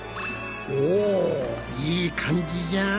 おいい感じじゃん。